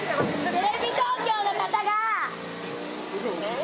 テレビ東京の方が。